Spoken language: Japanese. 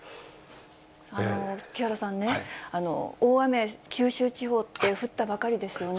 木原さんね、大雨、九州地方って降ったばかりですよね。